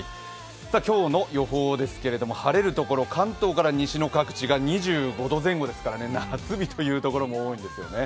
今日の予報ですけれども晴れるところ、関東各地で２５度以上ですから夏日というところも多いんですよね。